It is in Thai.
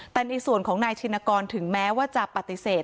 แต่ในส่วนของนายชินกรถึงแม้ว่าจะปฏิเสธ